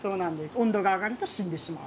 温度が上がると死んでしまう。